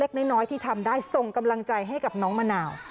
เล็กน้อยที่ทำได้ส่งกำลังใจให้กับน้องมะนาว